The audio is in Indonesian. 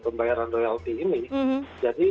pembayaran royalti ini jadi